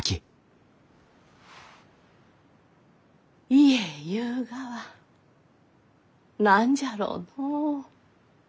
家ゆうがは何じゃろうのう？